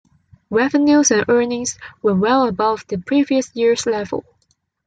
Revenues and earnings were well above the previous year's level.